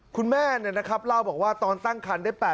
คุณแม่เลยนะครับเล่าบอกว่าตอนตั้งครรภาพ